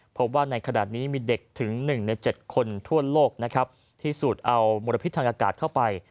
พบว่าในขณะนี้มีเด็กถึง๑ใน๗คนทั่วโลกนะครับที่สูดเอามลพิษทางอากาศเข้าไป